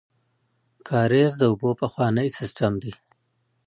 کاریز د اوبو پخوانی سیستم دی